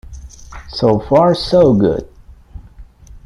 So far so good.